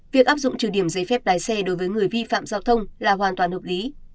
việc áp dụng trừ điểm giấy phép lái xe đối với người vi phạm giao thông là hoàn toàn hợp lý